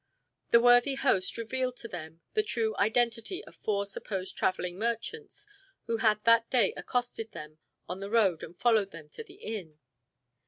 The worthy host revealed to them the true identity of four supposed traveling merchants, who had that day accosted them on the road and followed them to the inn.